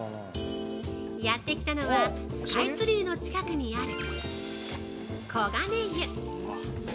◆やってきたのはスカイツリーの近くにある黄金湯。